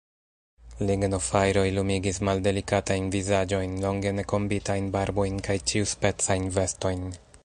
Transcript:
Lignofajroj lumigis maldelikatajn vizaĝojn, longe ne kombitajn barbojn kaj ĉiuspecajn vestojn.